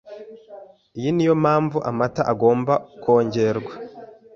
iyi niyo mpamvu amata agomba kongerwa